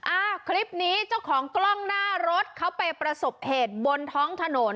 อ่าคลิปนี้เจ้าของกล้องหน้ารถเขาไปประสบเหตุบนท้องถนน